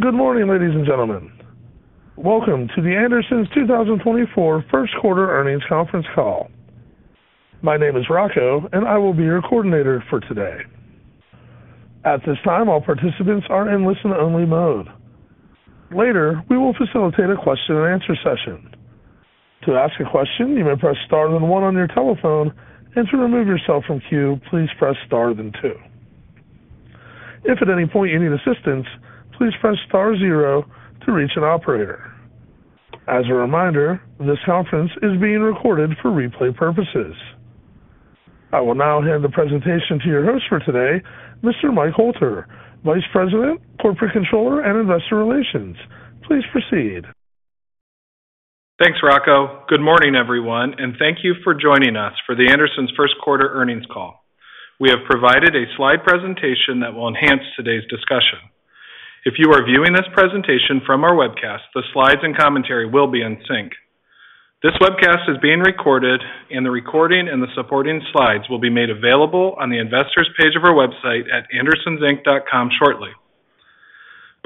Good morning, ladies and gentlemen. Welcome to The Andersons 2024 First Quarter Earnings Conference Call. My name is Rocco, and I will be your coordinator for today. At this time, all participants are in listen-only mode. Later, we will facilitate a question-and-answer session. To ask a question, you may press star, then 1 on your telephone, and to remove yourself from queue, please press star, then 2. If at any point you need assistance, please press star 0 to reach an operator. As a reminder, this conference is being recorded for replay purposes. I will now hand the presentation to your host for today, Mr. Mike Hoelter, Vice President, Corporate Controller, and Investor Relations. Please proceed. Thanks, Rocco. Good morning, everyone, and thank you for joining us for The Andersons First Quarter Earnings Call. We have provided a slide presentation that will enhance today's discussion. If you are viewing this presentation from our webcast, the slides and commentary will be in sync. This webcast is being recorded, and the recording and the supporting slides will be made available on the investors' page of our website at AndersonsInc.com shortly.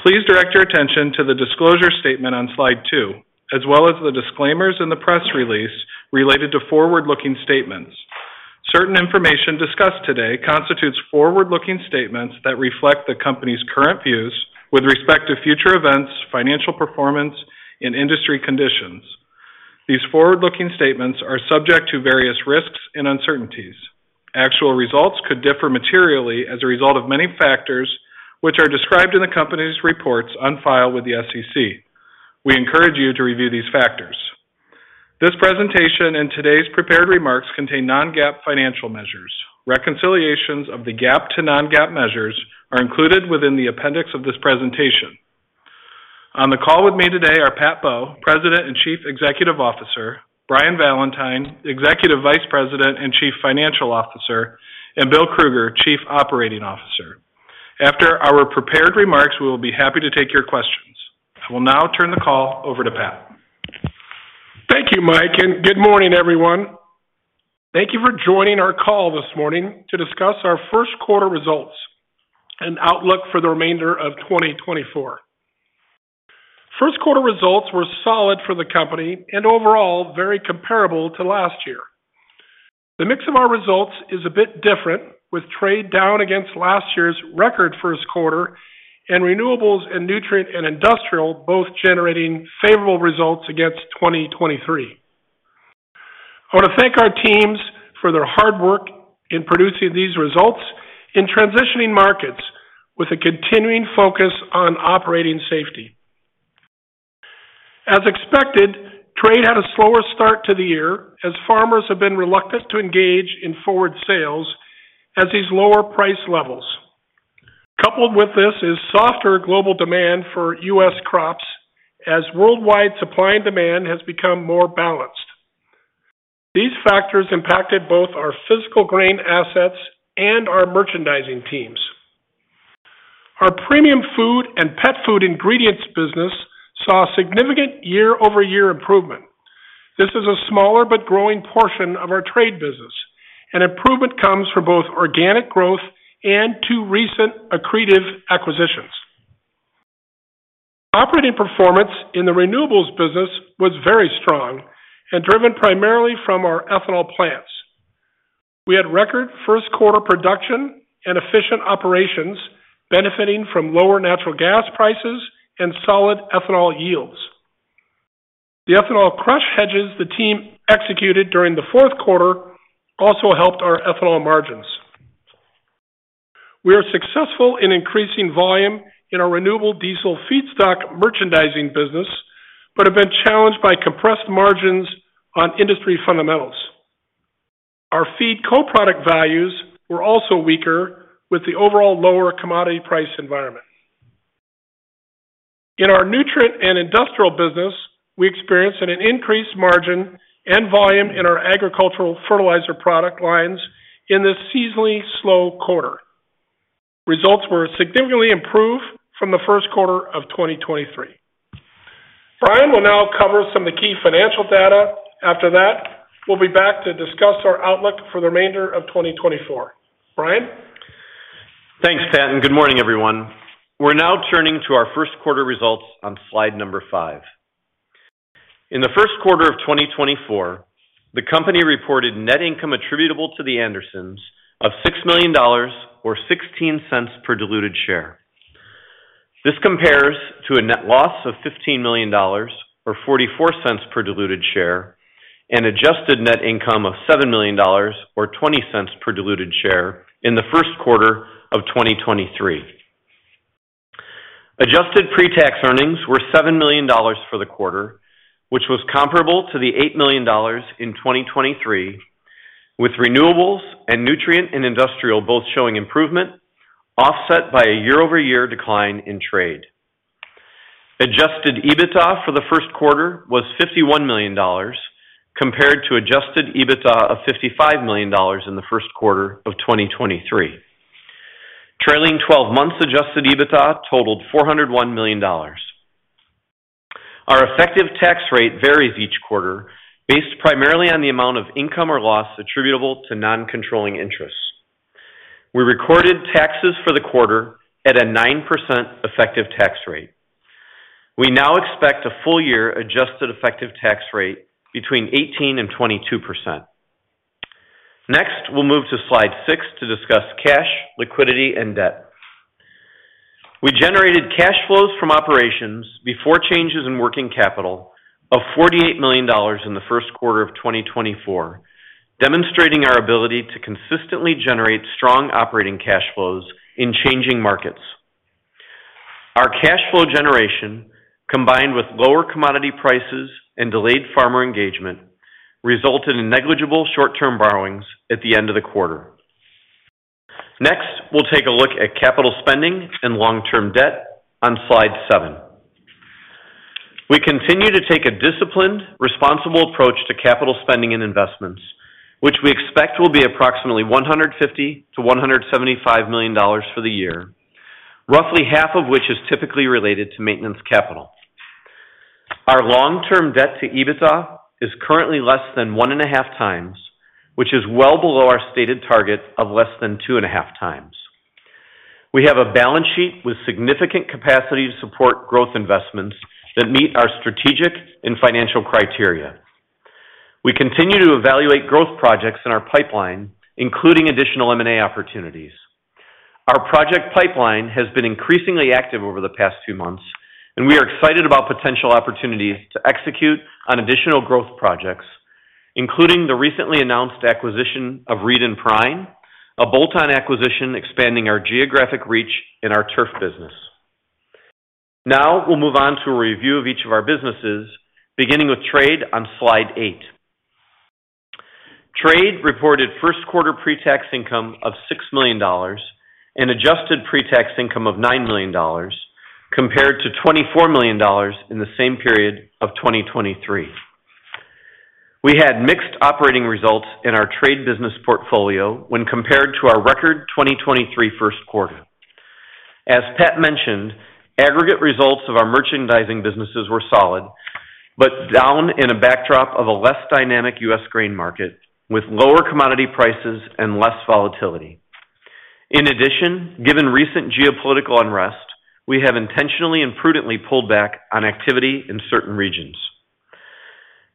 Please direct your attention to the disclosure statement on slide 2, as well as the disclaimers in the press release related to forward-looking statements. Certain information discussed today constitutes forward-looking statements that reflect the company's current views with respect to future events, financial performance, and industry conditions. These forward-looking statements are subject to various risks and uncertainties. Actual results could differ materially as a result of many factors which are described in the company's reports on file with the SEC. We encourage you to review these factors. This presentation and today's prepared remarks contain non-GAAP financial measures. Reconciliations of the GAAP to non-GAAP measures are included within the appendix of this presentation. On the call with me today are Pat Bowe, President and Chief Executive Officer, Brian Valentine, Executive Vice President and Chief Financial Officer, and Bill Krueger, Chief Operating Officer. After our prepared remarks, we will be happy to take your questions. I will now turn the call over to Pat. Thank you, Mike, and good morning, everyone. Thank you for joining our call this morning to discuss our first quarter results and outlook for the remainder of 2024. First quarter results were solid for the company and overall very comparable to last year. The mix of our results is a bit different, with trade down against last year's record first quarter and renewables and nutrient and industrial both generating favorable results against 2023. I want to thank our teams for their hard work in producing these results and transitioning markets with a continuing focus on operating safety. As expected, trade had a slower start to the year as farmers have been reluctant to engage in forward sales at these lower price levels. Coupled with this is softer global demand for U.S. crops as worldwide supply and demand has become more balanced. These factors impacted both our physical grain assets and our merchandising teams. Our premium food and pet food ingredients business saw significant year-over-year improvement. This is a smaller but growing portion of our trade business, and improvement comes from both organic growth and two recent accretive acquisitions. Operating performance in the renewables business was very strong and driven primarily from our ethanol plants. We had record first quarter production and efficient operations benefiting from lower natural gas prices and solid ethanol yields. The ethanol crush hedges the team executed during the fourth quarter also helped our ethanol margins. We are successful in increasing volume in our renewable diesel feedstock merchandising business but have been challenged by compressed margins on industry fundamentals. Our feed co-product values were also weaker with the overall lower commodity price environment. In our nutrient and industrial business, we experienced an increased margin and volume in our agricultural fertilizer product lines in this seasonally slow quarter. Results were significantly improved from the first quarter of 2023. Brian will now cover some of the key financial data. After that, we'll be back to discuss our outlook for the remainder of 2024. Brian? Thanks, Pat, and good morning, everyone. We're now turning to our first quarter results on slide number 5. In the first quarter of 2024, the company reported net income attributable to The Andersons of $6 million or $0.16 per diluted share. This compares to a net loss of $15 million or $0.44 per diluted share and adjusted net income of $7 million or $0.20 per diluted share in the first quarter of 2023. Adjusted pre-tax earnings were $7 million for the quarter, which was comparable to the $8 million in 2023, with renewables and nutrient and industrial both showing improvement offset by a year-over-year decline in trade. Adjusted EBITDA for the first quarter was $51 million compared to adjusted EBITDA of $55 million in the first quarter of 2023. Trailing 12 months' adjusted EBITDA totaled $401 million. Our effective tax rate varies each quarter based primarily on the amount of income or loss attributable to non-controlling interests. We recorded taxes for the quarter at a 9% effective tax rate. We now expect a full-year adjusted effective tax rate between 18%-22%. Next, we'll move to slide 6 to discuss cash, liquidity, and debt. We generated cash flows from operations before changes in working capital of $48 million in the first quarter of 2024, demonstrating our ability to consistently generate strong operating cash flows in changing markets. Our cash flow generation, combined with lower commodity prices and delayed farmer engagement, resulted in negligible short-term borrowings at the end of the quarter. Next, we'll take a look at capital spending and long-term debt on slide 7. We continue to take a disciplined, responsible approach to capital spending and investments, which we expect will be approximately $150-$175 million for the year, roughly half of which is typically related to maintenance capital. Our long-term debt to EBITDA is currently less than 1.5x, which is well below our stated target of less than 2.5x. We have a balance sheet with significant capacity to support growth investments that meet our strategic and financial criteria. We continue to evaluate growth projects in our pipeline, including additional M&A opportunities. Our project pipeline has been increasingly active over the past few months, and we are excited about potential opportunities to execute on additional growth projects, including the recently announced acquisition of Reed and Perrine, a bolt-on acquisition expanding our geographic reach in our turf business. Now we'll move on to a review of each of our businesses, beginning with Trade on slide 8. Trade reported first quarter pre-tax income of $6 million and adjusted pre-tax income of $9 million compared to $24 million in the same period of 2023. We had mixed operating results in our trade business portfolio when compared to our record 2023 first quarter. As Pat mentioned, aggregate results of our merchandising businesses were solid but down in a backdrop of a less dynamic U.S. grain market with lower commodity prices and less volatility. In addition, given recent geopolitical unrest, we have intentionally and prudently pulled back on activity in certain regions.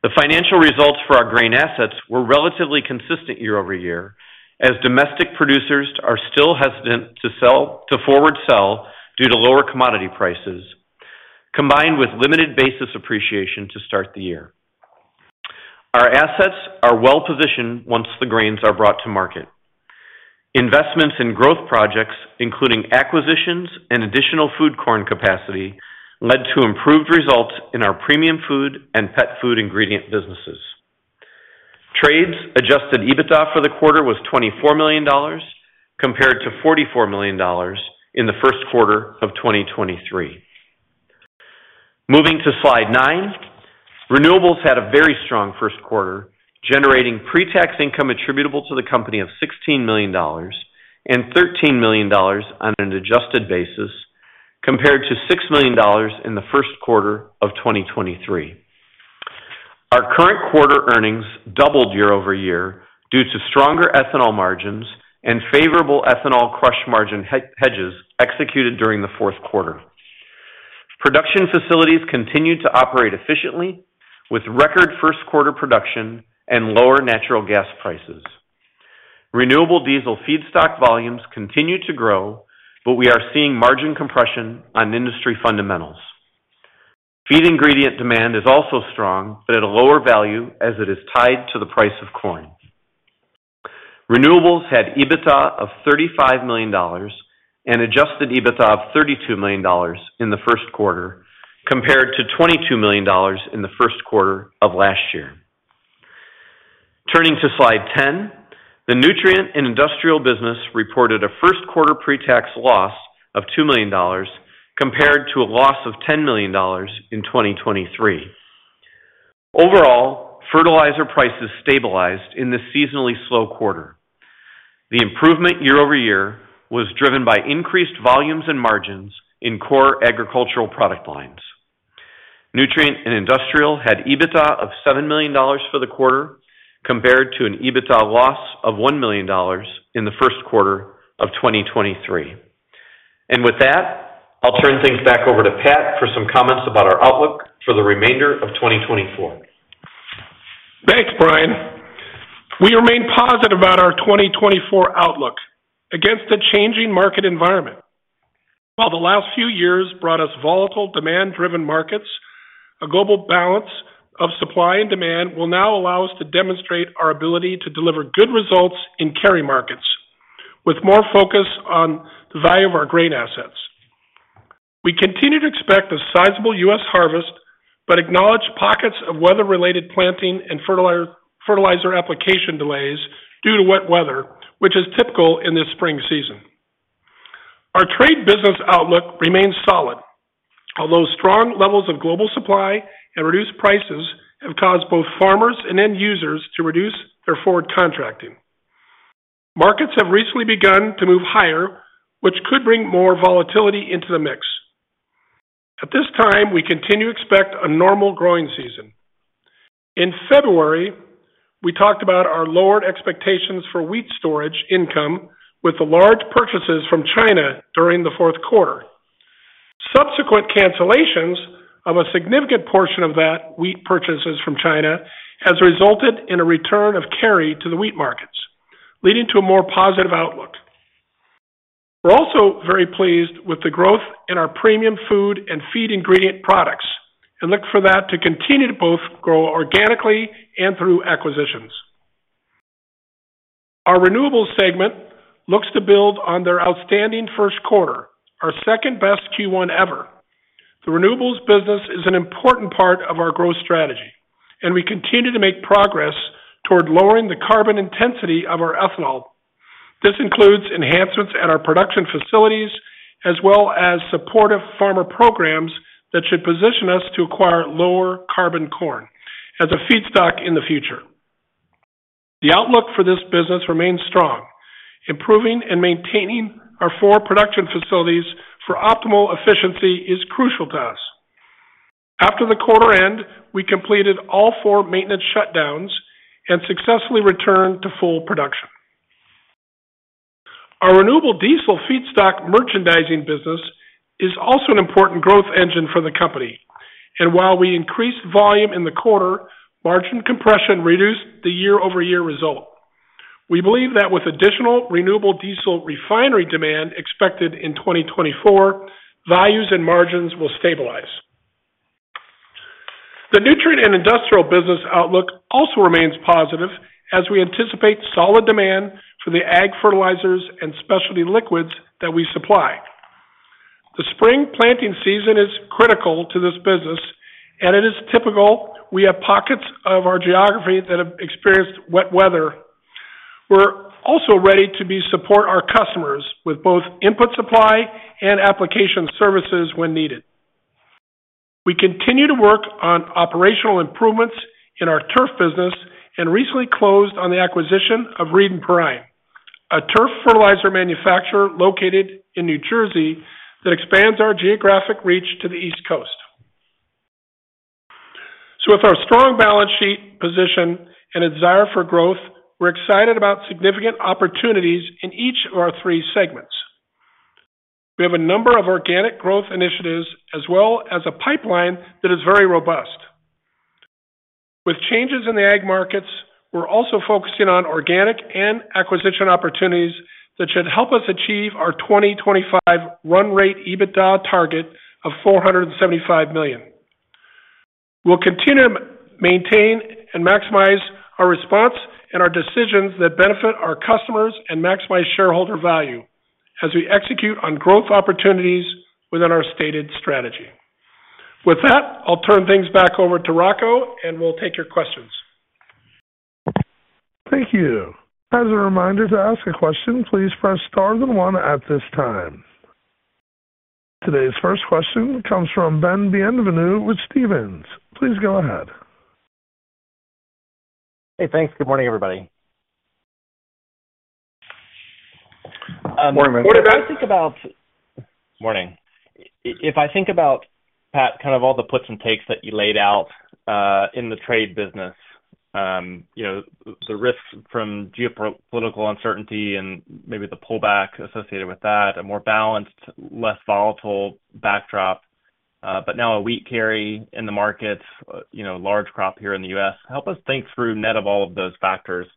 The financial results for our grain assets were relatively consistent year over year as domestic producers are still hesitant to forward sell due to lower commodity prices, combined with limited basis appreciation to start the year. Our assets are well positioned once the grains are brought to market. Investments in growth projects, including acquisitions and additional food corn capacity, led to improved results in our premium food and pet food ingredient businesses. Trade's adjusted EBITDA for the quarter was $24 million compared to $44 million in the first quarter of 2023. Moving to slide 9, renewables had a very strong first quarter, generating pre-tax income attributable to the company of $16 million and $13 million on an adjusted basis compared to $6 million in the first quarter of 2023. Our current quarter earnings doubled year-over-year due to stronger ethanol margins and favorable ethanol crush margin hedges executed during the fourth quarter. Production facilities continued to operate efficiently with record first quarter production and lower natural gas prices. Renewable diesel feedstock volumes continue to grow, but we are seeing margin compression on industry fundamentals. Feed ingredient demand is also strong but at a lower value as it is tied to the price of corn. Renewables had EBITDA of $35 million and adjusted EBITDA of $32 million in the first quarter compared to $22 million in the first quarter of last year. Turning to slide 10, the nutrient and industrial business reported a first quarter pre-tax loss of $2 million compared to a loss of $10 million in 2023. Overall, fertilizer prices stabilized in this seasonally slow quarter. The improvement year-over-year was driven by increased volumes and margins in core agricultural product lines. Nutrient and industrial had EBITDA of $7 million for the quarter compared to an EBITDA loss of $1 million in the first quarter of 2023. With that, I'll turn things back over to Pat for some comments about our outlook for the remainder of 2024. Thanks, Brian. We remain positive about our 2024 outlook against the changing market environment. While the last few years brought us volatile demand-driven markets, a global balance of supply and demand will now allow us to demonstrate our ability to deliver good results in carry markets with more focus on the value of our grain assets. We continue to expect a sizable U.S. harvest but acknowledge pockets of weather-related planting and fertilizer application delays due to wet weather, which is typical in this spring season. Our trade business outlook remains solid, although strong levels of global supply and reduced prices have caused both farmers and end users to reduce their forward contracting. Markets have recently begun to move higher, which could bring more volatility into the mix. At this time, we continue to expect a normal growing season. In February, we talked about our lowered expectations for wheat storage income with the large purchases from China during the fourth quarter. Subsequent cancellations of a significant portion of that wheat purchases from China have resulted in a return of carry to the wheat markets, leading to a more positive outlook. We're also very pleased with the growth in our premium food and feed ingredient products and look for that to continue to both grow organically and through acquisitions. Our renewables segment looks to build on their outstanding first quarter, our second best Q1 ever. The renewables business is an important part of our growth strategy, and we continue to make progress toward lowering the carbon intensity of our ethanol. This includes enhancements at our production facilities as well as supportive farmer programs that should position us to acquire lower carbon corn as a feedstock in the future. The outlook for this business remains strong. Improving and maintaining our four production facilities for optimal efficiency is crucial to us. After the quarter end, we completed all four maintenance shutdowns and successfully returned to full production. Our renewable diesel feedstock merchandising business is also an important growth engine for the company. While we increased volume in the quarter, margin compression reduced the year-over-year result. We believe that with additional renewable diesel refinery demand expected in 2024, values and margins will stabilize. The nutrient and industrial business outlook also remains positive as we anticipate solid demand for the ag fertilizers and specialty liquids that we supply. The spring planting season is critical to this business, and it is typical we have pockets of our geography that have experienced wet weather. We're also ready to support our customers with both input supply and application services when needed. We continue to work on operational improvements in our turf business and recently closed on the acquisition of Reed & Perrine, a turf fertilizer manufacturer located in New Jersey that expands our geographic reach to the East Coast. So with our strong balance sheet position and desire for growth, we're excited about significant opportunities in each of our three segments. We have a number of organic growth initiatives as well as a pipeline that is very robust. With changes in the ag markets, we're also focusing on organic and acquisition opportunities that should help us achieve our 2025 run rate EBITDA target of $475 million. We'll continue to maintain and maximize our response and our decisions that benefit our customers and maximize shareholder value as we execute on growth opportunities within our stated strategy. With that, I'll turn things back over to Rocco, and we'll take your questions. Thank you. As a reminder to ask a question, please press star, then one at this time. Today's first question comes from Ben Bienvenu with Stephens. Please go ahead. Hey, thanks. Good morning, everybody. Morning, Ben. What about. If I think about. Morning. If I think about, Pat, kind of all the puts and takes that you laid out in the trade business, the risks from geopolitical uncertainty and maybe the pullback associated with that, a more balanced, less volatile backdrop, but now a wheat carry in the markets, large crop here in the U.S., help us think through, net of all of those factors,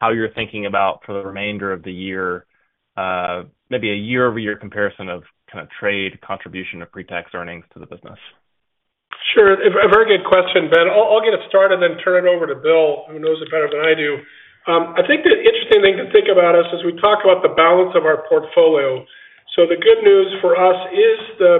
how you're thinking about for the remainder of the year, maybe a year-over-year comparison of kind of trade, contribution, or pre-tax earnings to the business. Sure. A very good question, Ben. I'll get us started and then turn it over to Bill, who knows it better than I do. I think the interesting thing to think about is as we talk about the balance of our portfolio, so the good news for us is the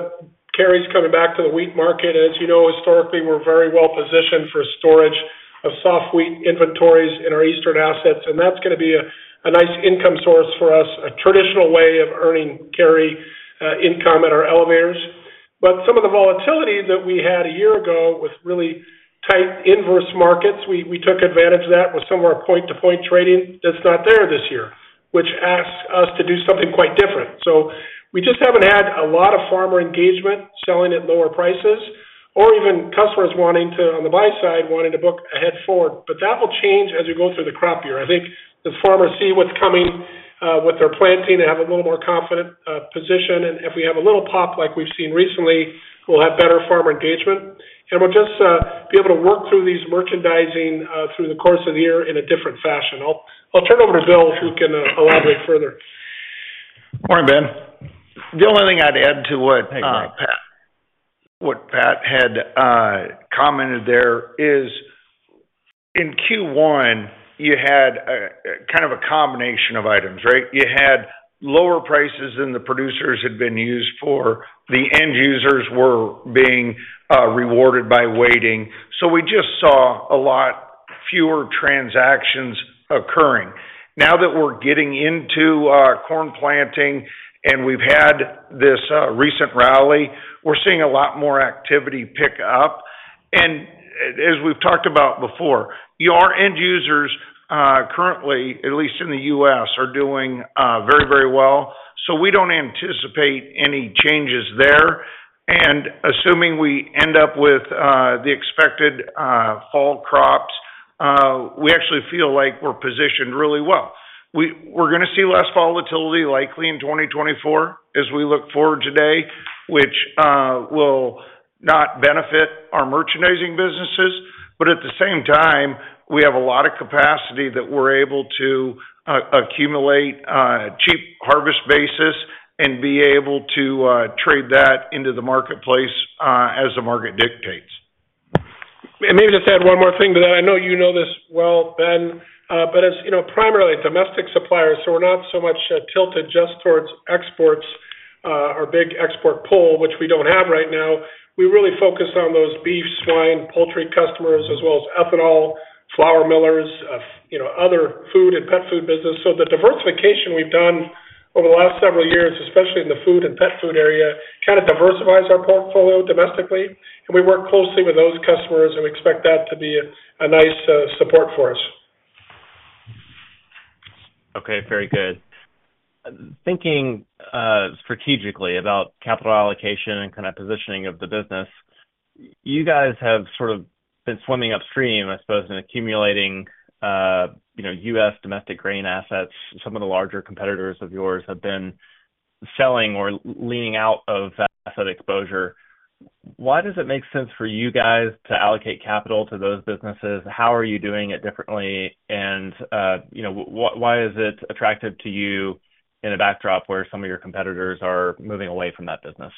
carry's coming back to the wheat market. As you know, historically, we're very well positioned for storage of soft wheat inventories in our Eastern assets, and that's going to be a nice income source for us, a traditional way of earning carry income at our elevators. But some of the volatility that we had a year ago with really tight inverse markets, we took advantage of that with some of our point-to-point trading that's not there this year, which asks us to do something quite different. So we just haven't had a lot of farmer engagement selling at lower prices or even customers wanting to, on the buy side, wanting to book ahead forward. But that will change as we go through the crop year. I think as farmers see what's coming with their planting, they have a little more confident position. And if we have a little pop like we've seen recently, we'll have better farmer engagement. And we'll just be able to work through these merchandising through the course of the year in a different fashion. I'll turn over to Bill, who can elaborate further. Morning, Ben. The only thing I'd add to what Pat had commented there is in Q1, you had kind of a combination of items, right? You had lower prices than the producers had been used for. The end users were being rewarded by waiting. So we just saw a lot fewer transactions occurring. Now that we're getting into corn planting and we've had this recent rally, we're seeing a lot more activity pick up. And as we've talked about before, your end users currently, at least in the U.S., are doing very, very well. So we don't anticipate any changes there. And assuming we end up with the expected fall crops, we actually feel like we're positioned really well. We're going to see less volatility likely in 2024 as we look forward today, which will not benefit our merchandising businesses. But at the same time, we have a lot of capacity that we're able to accumulate cheap harvest basis and be able to trade that into the marketplace as the market dictates. Maybe just add one more thing to that. I know you know this well, Ben, but as primarily domestic suppliers, so we're not so much tilted just towards exports, our big export pull, which we don't have right now. We really focus on those beef, swine, poultry customers, as well as ethanol, flour millers, other food and pet food business. So the diversification we've done over the last several years, especially in the food and pet food area, kind of diversifies our portfolio domestically. We work closely with those customers, and we expect that to be a nice support for us. Okay. Very good. Thinking strategically about capital allocation and kind of positioning of the business, you guys have sort of been swimming upstream, I suppose, and accumulating U.S. domestic grain assets. Some of the larger competitors of yours have been selling or leaning out of that asset exposure. Why does it make sense for you guys to allocate capital to those businesses? How are you doing it differently? And why is it attractive to you in a backdrop where some of your competitors are moving away from that business?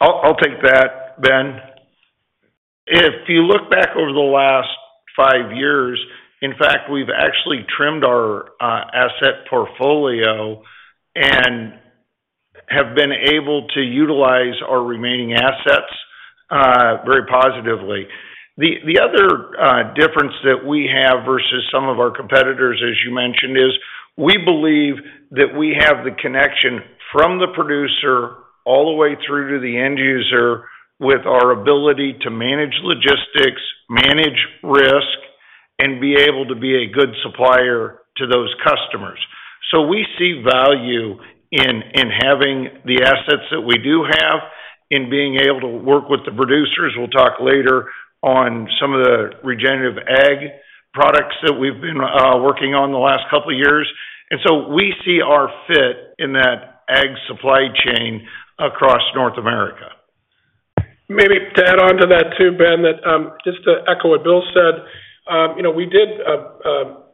I'll take that, Ben. If you look back over the last five years, in fact, we've actually trimmed our asset portfolio and have been able to utilize our remaining assets very positively. The other difference that we have versus some of our competitors, as you mentioned, is we believe that we have the connection from the producer all the way through to the end user with our ability to manage logistics, manage risk, and be able to be a good supplier to those customers. So we see value in having the assets that we do have, in being able to work with the producers. We'll talk later on some of the regenerative ag products that we've been working on the last couple of years. And so we see our fit in that ag supply chain across North America. Maybe to add on to that too, Ben, just to echo what Bill said, we did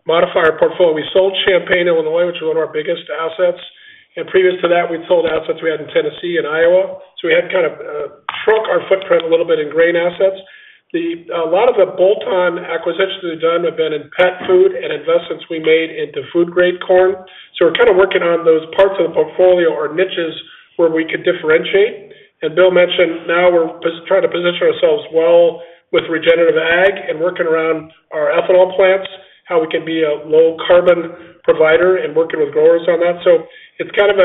modify our portfolio. We sold Champaign, Illinois, which was one of our biggest assets. Previous to that, we'd sold assets we had in Tennessee and Iowa. So we had kind of shrunk our footprint a little bit in grain assets. A lot of the bolt-on acquisitions we've done have been in pet food and investments we made into food-grade corn. So we're kind of working on those parts of the portfolio or niches where we could differentiate. And Bill mentioned now we're trying to position ourselves well with regenerative ag and working around our ethanol plants, how we can be a low-carbon provider and working with growers on that. So it's kind of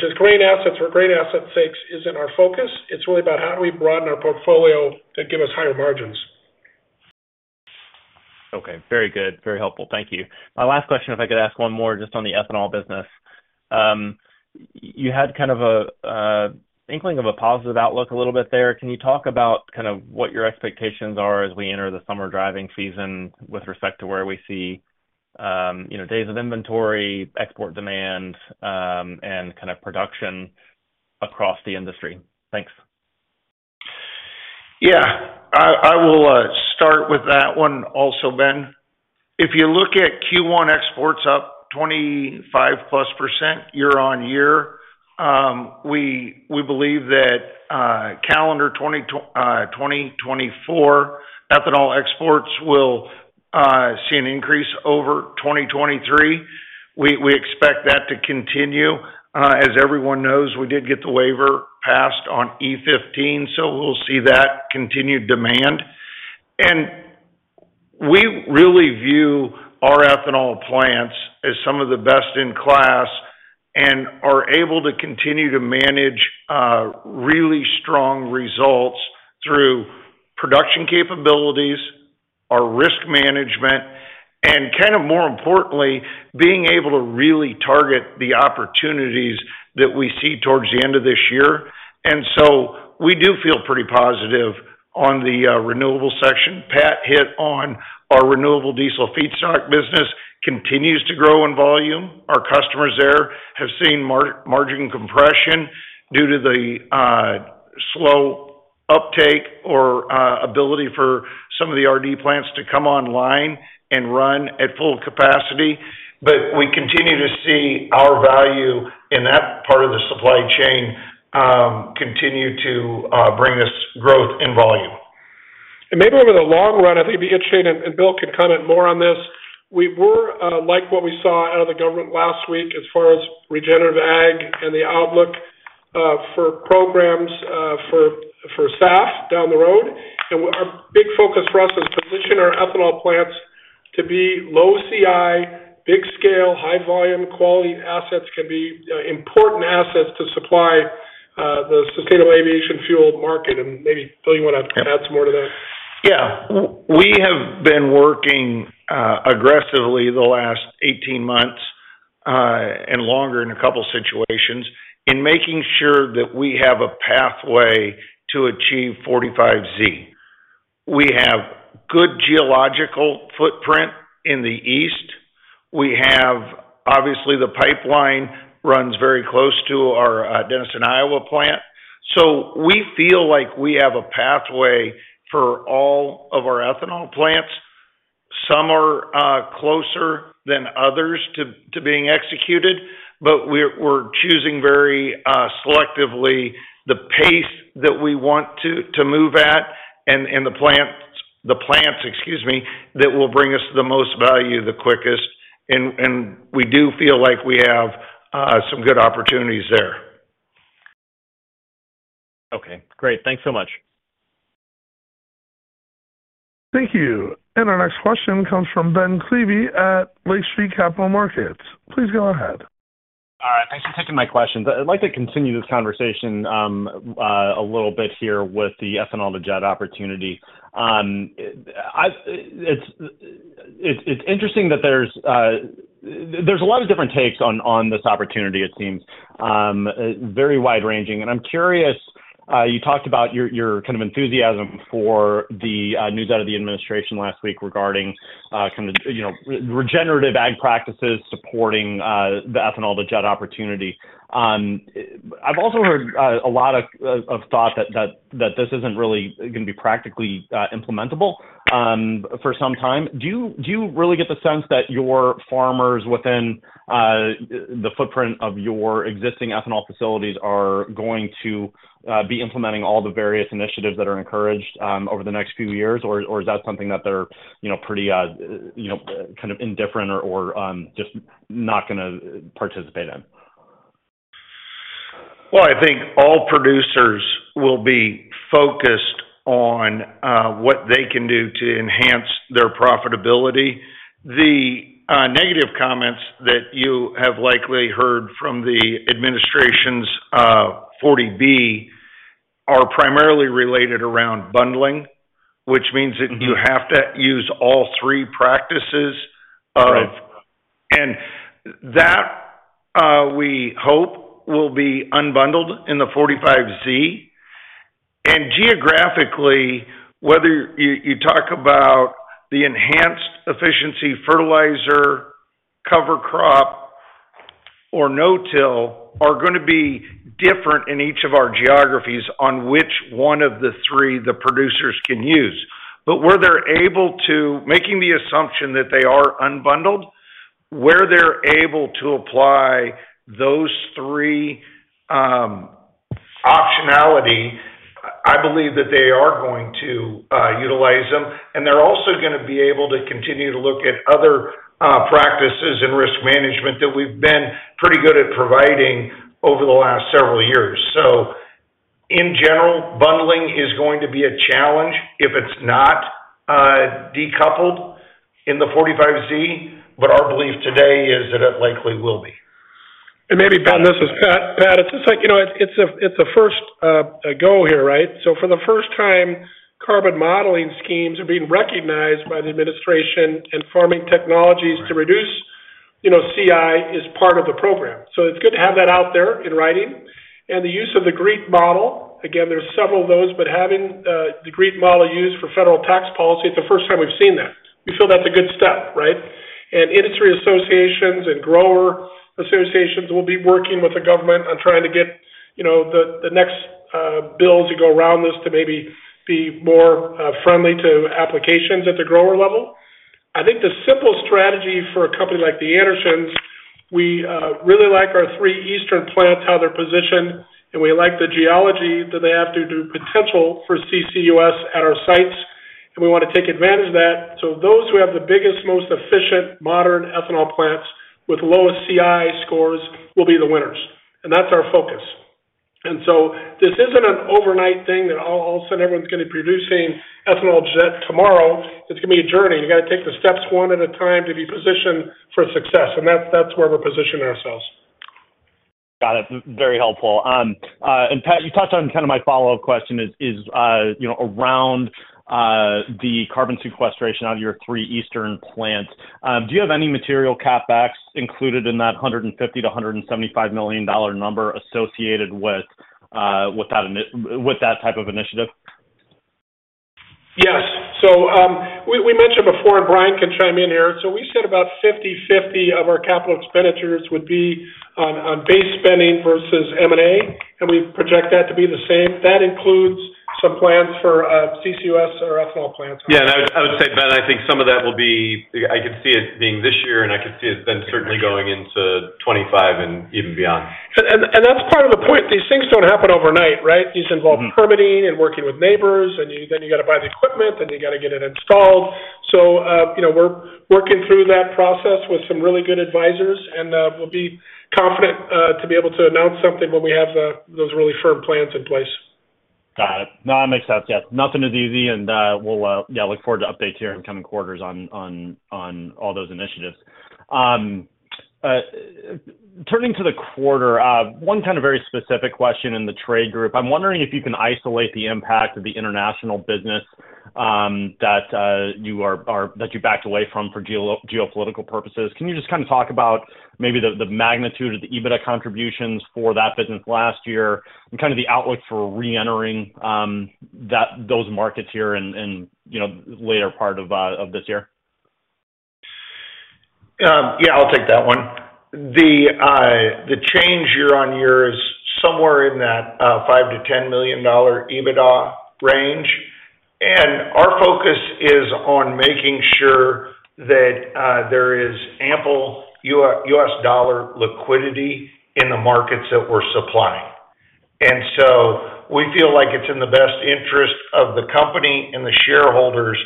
just grain assets for grain assets' sakes isn't our focus. It's really about how do we broaden our portfolio that give us higher margins. Okay. Very good. Very helpful. Thank you. My last question, if I could ask one more just on the ethanol business. You had kind of an inkling of a positive outlook a little bit there. Can you talk about kind of what your expectations are as we enter the summer driving season with respect to where we see days of inventory, export demand, and kind of production across the industry? Thanks. Yeah. I will start with that one also, Ben. If you look at Q1 exports up 25%+ year-on-year, we believe that calendar 2024 ethanol exports will see an increase over 2023. We expect that to continue. As everyone knows, we did get the waiver passed on E15, so we'll see that continued demand. We really view our ethanol plants as some of the best in class and are able to continue to manage really strong results through production capabilities, our risk management, and kind of more importantly, being able to really target the opportunities that we see towards the end of this year. So we do feel pretty positive on the renewable section. Pat hit on our renewable diesel feedstock business, which continues to grow in volume. Our customers there have seen margin compression due to the slow uptake or ability for some of the RD plants to come online and run at full capacity. But we continue to see our value in that part of the supply chain continue to bring us growth in volume. Maybe over the long run, I think if you get and Bill can comment more on this. We like what we saw out of the government last week as far as regenerative ag and the outlook for programs for SaaS down the road. Our big focus for us is to position our ethanol plants to be low CI, big-scale, high-volume quality assets can be important assets to supply the sustainable aviation fuel market. Maybe, Bill, you want to add some more to that? Yeah. We have been working aggressively the last 18 months and longer in a couple of situations in making sure that we have a pathway to achieve 45Z. We have good geological footprint in the east. Obviously, the pipeline runs very close to our Denison, Iowa plant. So we feel like we have a pathway for all of our ethanol plants. Some are closer than others to being executed, but we're choosing very selectively the pace that we want to move at and the plants, excuse me, that will bring us the most value, the quickest. And we do feel like we have some good opportunities there. Okay. Great. Thanks so much. Thank you. And our next question comes from Ben Klieve at Lake Street Capital Markets. Please go ahead. All right. Thanks for taking my questions. I'd like to continue this conversation a little bit here with the ethanol to jet opportunity. It's interesting that there's a lot of different takes on this opportunity, it seems. Very wide-ranging. I'm curious, you talked about your kind of enthusiasm for the news out of the administration last week regarding kind of regenerative ag practices supporting the ethanol to jet opportunity. I've also heard a lot of thought that this isn't really going to be practically implementable for some time. Do you really get the sense that your farmers within the footprint of your existing ethanol facilities are going to be implementing all the various initiatives that are encouraged over the next few years, or is that something that they're pretty kind of indifferent or just not going to participate in? Well, I think all producers will be focused on what they can do to enhance their profitability. The negative comments that you have likely heard from the administration's 40B are primarily related around bundling, which means that you have to use all three practices. And that, we hope, will be unbundled in the 45Z. And geographically, whether you talk about the enhanced efficiency fertilizer, cover crop, or no-till are going to be different in each of our geographies on which one of the three the producers can use. But where they're able to, making the assumption that they are unbundled, where they're able to apply those three optionality, I believe that they are going to utilize them. And they're also going to be able to continue to look at other practices and risk management that we've been pretty good at providing over the last several years. In general, bundling is going to be a challenge if it's not decoupled in the 45Z, but our belief today is that it likely will be. And maybe, Ben, this is Pat. It's just like it's a first go here, right? So for the first time, carbon modeling schemes are being recognized by the administration, and farming technologies to reduce CI is part of the program. So it's good to have that out there in writing. And the use of the GREET model, again, there's several of those, but having the GREET model used for federal tax policy, it's the first time we've seen that. We feel that's a good step, right? And industry associations and grower associations will be working with the government on trying to get the next bills that go around this to maybe be more friendly to applications at the grower level. I think the simple strategy for a company like the Andersons. We really like our three eastern plants, how they're positioned, and we like the geology that they have to do potential for CCUS at our sites. We want to take advantage of that. So those who have the biggest, most efficient, modern ethanol plants with lowest CI scores will be the winners. And that's our focus. And so this isn't an overnight thing that all of a sudden everyone's going to be producing ethanol jet tomorrow. It's going to be a journey. You got to take the steps one at a time to be positioned for success. And that's where we're positioning ourselves. Got it. Very helpful. Pat, you touched on kind of my follow-up question is around the carbon sequestration out of your three eastern plants. Do you have any material CapEx included in that $150-$175 million number associated with that type of initiative? Yes. So we mentioned before, and Brian can chime in here. So we said about 50/50 of our capital expenditures would be on base spending versus M&A. And we project that to be the same. That includes some plans for CCUS or ethanol plants. Yeah. I would say, Ben, I think some of that will be. I could see it being this year, and I could see it then certainly going into 2025 and even beyond. That's part of the point. These things don't happen overnight, right? These involve permitting and working with neighbors, and then you got to buy the equipment, and you got to get it installed. So we're working through that process with some really good advisors, and we'll be confident to be able to announce something when we have those really firm plans in place. Got it. No, that makes sense. Yes. Nothing is easy. And yeah, look forward to updates here in coming quarters on all those initiatives. Turning to the quarter, one kind of very specific question in the trade group. I'm wondering if you can isolate the impact of the international business that you backed away from for geopolitical purposes. Can you just kind of talk about maybe the magnitude of the EBITDA contributions for that business last year and kind of the outlook for re-entering those markets here in the later part of this year? Yeah. I'll take that one. The change year-over-year is somewhere in that $5 million-$10 million EBITDA range. Our focus is on making sure that there is ample U.S. dollar liquidity in the markets that we're supplying. So we feel like it's in the best interest of the company and the shareholders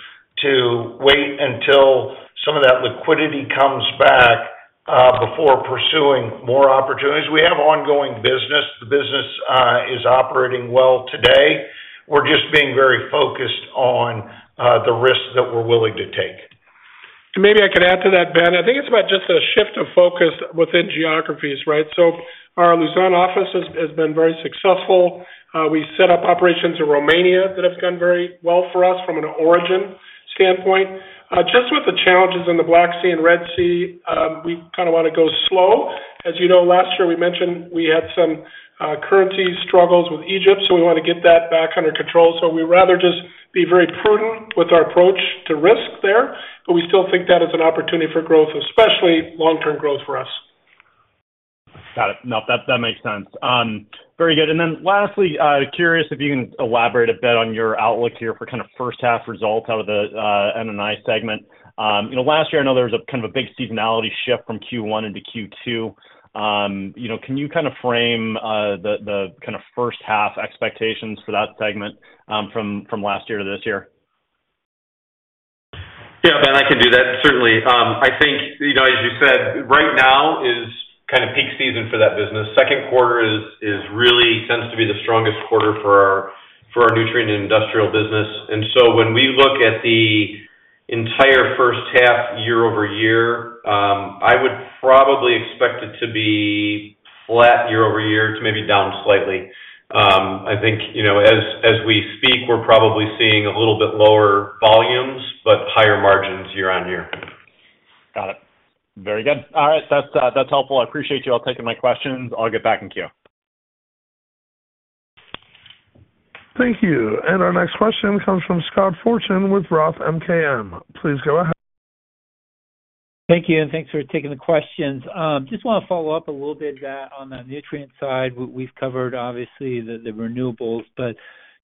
to wait until some of that liquidity comes back before pursuing more opportunities. We have ongoing business. The business is operating well today. We're just being very focused on the risks that we're willing to take. Maybe I could add to that, Ben. I think it's about just a shift of focus within geographies, right? So our Luzon office has been very successful. We set up operations in Romania that have gone very well for us from an origin standpoint. Just with the challenges in the Black Sea and Red Sea, we kind of want to go slow. As you know, last year, we mentioned we had some currency struggles with Egypt, so we want to get that back under control. So we'd rather just be very prudent with our approach to risk there, but we still think that is an opportunity for growth, especially long-term growth for us. Got it. Nope. That makes sense. Very good. And then lastly, curious if you can elaborate a bit on your outlook here for kind of first-half results out of the M&I segment. Last year, I know there was kind of a big seasonality shift from Q1 into Q2. Can you kind of frame the kind of first-half expectations for that segment from last year to this year? Yeah, Ben, I can do that, certainly. I think, as you said, right now is kind of peak season for that business. Second quarter really tends to be the strongest quarter for our nutrient and industrial business. And so when we look at the entire first half year-over-year, I would probably expect it to be flat year-over-year to maybe down slightly. I think as we speak, we're probably seeing a little bit lower volumes but higher margins year-over-year. Got it. Very good. All right. That's helpful. I appreciate you all taking my questions. I'll get back in queue. Thank you. Our next question comes from Scott Fortune with Roth MKM. Please go ahead. Thank you. Thanks for taking the questions. Just want to follow up a little bit on the nutrient side. We've covered, obviously, the renewables, but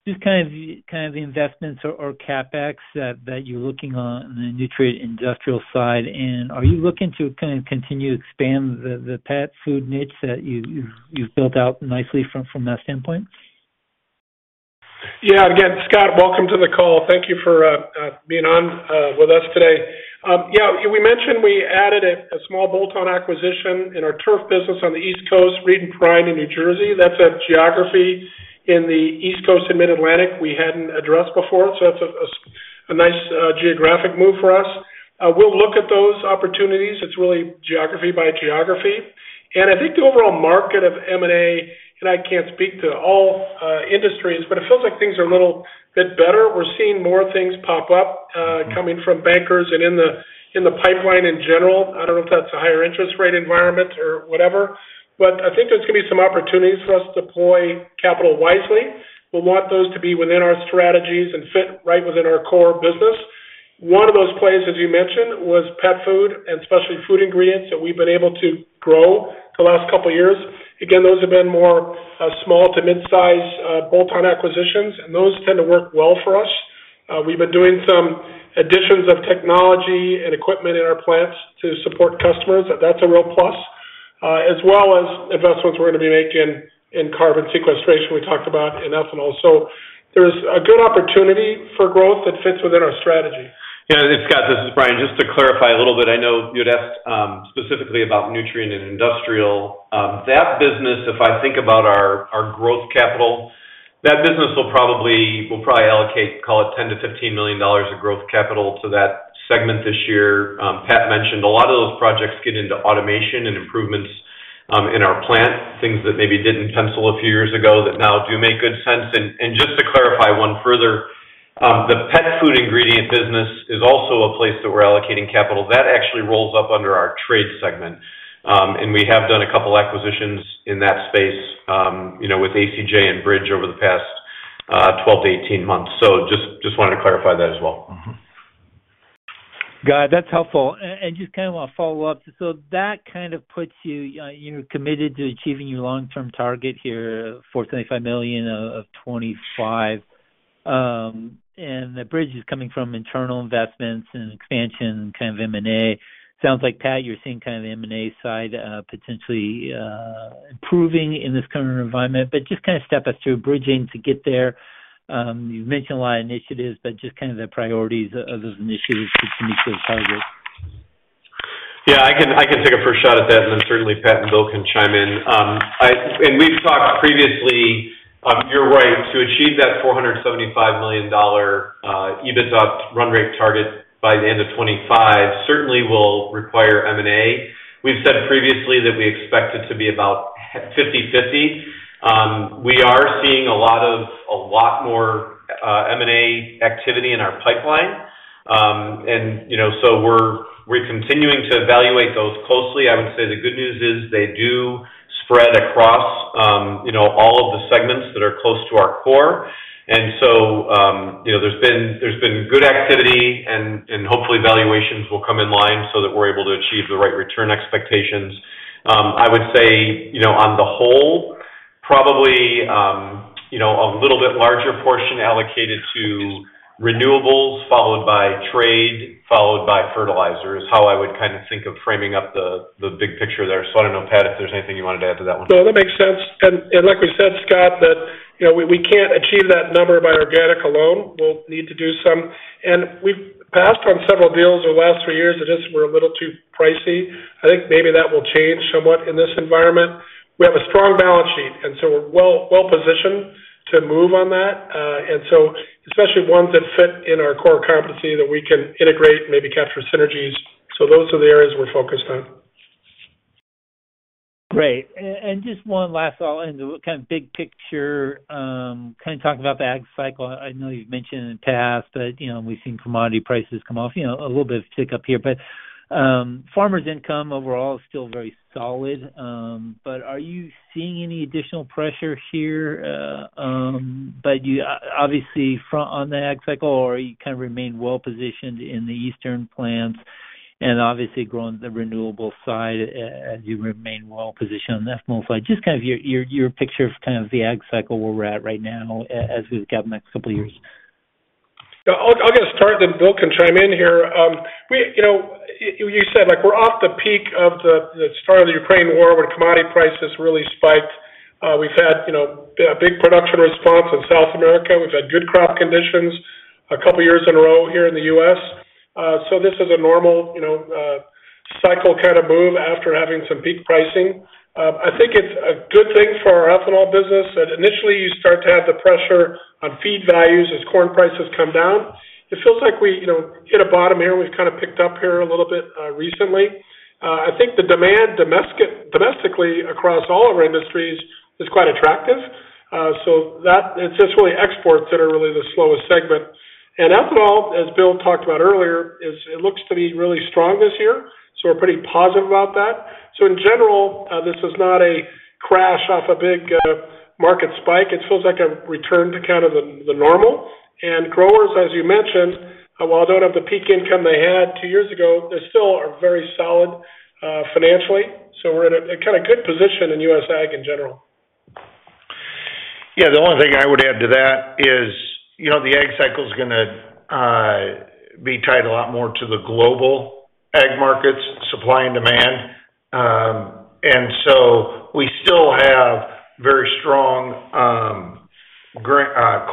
just kind of the investments or CapEx that you're looking on the nutrient industrial side. Are you looking to kind of continue to expand the pet food niche that you've built out nicely from that standpoint? Yeah. And again, Scott, welcome to the call. Thank you for being on with us today. Yeah. We mentioned we added a small bolt-on acquisition in our turf business on the East Coast, Reed & Perrine in New Jersey. That's a geography in the East Coast and Mid-Atlantic we hadn't addressed before. So that's a nice geographic move for us. We'll look at those opportunities. It's really geography by geography. And I think the overall market of M&A and I can't speak to all industries, but it feels like things are a little bit better. We're seeing more things pop up coming from bankers and in the pipeline in general. I don't know if that's a higher interest rate environment or whatever, but I think there's going to be some opportunities for us to deploy capital wisely. We'll want those to be within our strategies and fit right within our core business. One of those plays, as you mentioned, was pet food and especially food ingredients that we've been able to grow the last couple of years. Again, those have been more small to midsize bolt-on acquisitions, and those tend to work well for us. We've been doing some additions of technology and equipment in our plants to support customers. That's a real plus, as well as investments we're going to be making in carbon sequestration we talked about in ethanol. So there's a good opportunity for growth that fits within our strategy. Yeah. And Scott, this is Brian. Just to clarify a little bit, I know you had asked specifically about nutrient and industrial. That business, if I think about our growth capital, that business will probably allocate, call it, $10 million-$15 million of growth capital to that segment this year. Pat mentioned a lot of those projects get into automation and improvements in our plant, things that maybe didn't pencil a few years ago that now do make good sense. And just to clarify one further, the pet food ingredient business is also a place that we're allocating capital. That actually rolls up under our trade segment. And we have done a couple of acquisitions in that space with ACJ and Bridge over the past 12-18 months. So just wanted to clarify that as well. God, that's helpful. And just kind of want to follow up. So that kind of puts you you're committed to achieving your long-term target here, $475 million of 2025. And the bridge is coming from internal investments and expansion and kind of M&A. Sounds like, Pat, you're seeing kind of the M&A side potentially improving in this current environment, but just kind of step us through bridging to get there. You've mentioned a lot of initiatives, but just kind of the priorities of those initiatives to meet those targets. Yeah. I can take a first shot at that, and then certainly, Pat and Bill can chime in. We've talked previously. You're right. To achieve that $475 million EBITDA run rate target by the end of 2025 certainly will require M&A. We've said previously that we expect it to be about 50/50. We are seeing a lot more M&A activity in our pipeline. We're continuing to evaluate those closely. I would say the good news is they do spread across all of the segments that are close to our core. There's been good activity, and hopefully, valuations will come in line so that we're able to achieve the right return expectations. I would say, on the whole, probably a little bit larger portion allocated to renewables, followed by trade, followed by fertilizer is how I would kind of think of framing up the big picture there. I don't know, Pat, if there's anything you wanted to add to that one. No, that makes sense. Like we said, Scott, that we can't achieve that number by organic alone. We'll need to do some. We've passed on several deals over the last three years. It just were a little too pricey. I think maybe that will change somewhat in this environment. We have a strong balance sheet, and so we're well positioned to move on that, and so especially ones that fit in our core competency that we can integrate, maybe capture synergies. Those are the areas we're focused on. Right. And just one last, I'll end the kind of big picture, kind of talking about the ag cycle. I know you've mentioned it in the past, but we've seen commodity prices come off a little bit of tick up here. But farmers' income overall is still very solid. But are you seeing any additional pressure here, obviously, on the ag cycle, or are you kind of remaining well positioned in the eastern plants and obviously growing the renewable side as you remain well positioned on the ethanol side? Just kind of your picture of kind of the ag cycle where we're at right now as we've got the next couple of years. Yeah. I'll get started. Then Bill can chime in here. You said we're off the peak of the start of the Ukraine war when commodity prices really spiked. We've had a big production response in South America. We've had good crop conditions a couple of years in a row here in the U.S. So this is a normal cycle kind of move after having some peak pricing. I think it's a good thing for our ethanol business. Initially, you start to have the pressure on feed values as corn prices come down. It feels like we hit a bottom here. We've kind of picked up here a little bit recently. I think the demand domestically across all of our industries is quite attractive. So it's just really exports that are really the slowest segment. And ethanol, as Bill talked about earlier, it looks to be really strong this year. So we're pretty positive about that. So in general, this is not a crash off a big market spike. It feels like a return to kind of the normal. And growers, as you mentioned, while they don't have the peak income they had two years ago, they still are very solid financially. So we're in a kind of good position in U.S. ag in general. Yeah. The only thing I would add to that is the ag cycle is going to be tied a lot more to the global ag markets, supply and demand. And so we still have very strong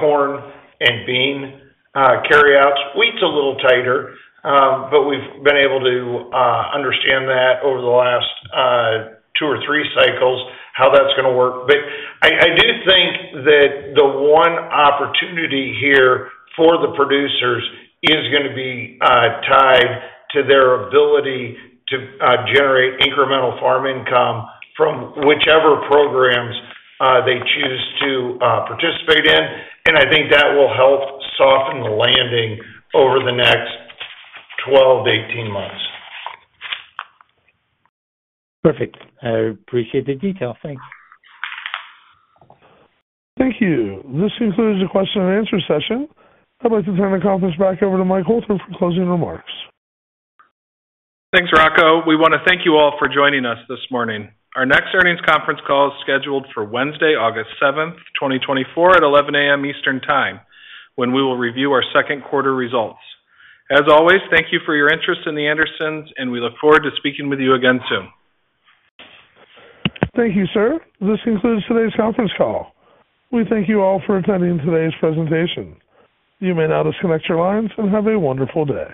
corn and bean carryouts. Wheat's a little tighter, but we've been able to understand that over the last two or three cycles, how that's going to work. But I do think that the one opportunity here for the producers is going to be tied to their ability to generate incremental farm income from whichever programs they choose to participate in. And I think that will help soften the landing over the next 12-18 months. Perfect. I appreciate the detail. Thanks. Thank you. This concludes the question and answer session. I'd like to turn the conference back over to Mike Hoelter for closing remarks. Thanks, Rocco. We want to thank you all for joining us this morning. Our next earnings conference call is scheduled for Wednesday, August 7th, 2024, at 11:00 A.M. Eastern Time when we will review our second quarter results. As always, thank you for your interest in The Andersons, and we look forward to speaking with you again soon. Thank you, sir. This concludes today's conference call. We thank you all for attending today's presentation. You may now disconnect your lines and have a wonderful day.